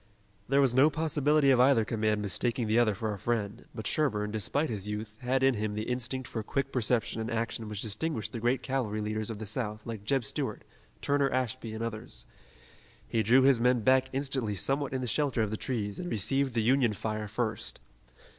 There was no possibility of either command mistaking the other for a friend, but Sherburne, despite his youth, had in him the instinct for quick perception and action which distinguished the great cavalry leaders of the South like Jeb Stuart, Turner Ashby and others. He drew his men back instantly somewhat in the shelter of the trees and received the Union fire first.